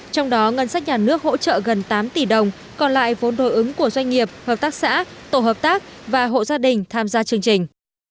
trong đó ngân sách nhà nước hỗ trợ gần tám tỷ đồng còn lại vốn đối ứng của doanh nghiệp hợp tác xã tổ hợp tác và hộ gia đình tham gia chương trình